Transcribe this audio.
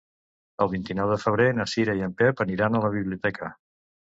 El vint-i-nou de febrer na Cira i en Pep aniran a la biblioteca.